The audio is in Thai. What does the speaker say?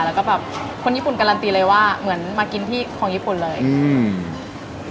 แล้วก็แบบคนญี่ปุ่นการันตีเลยว่าเหมือนมากินที่ของญี่ปุ่นเลยอืม